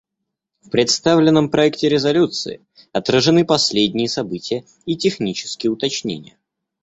В представленном проекте резолюции отражены последние события и технические уточнения.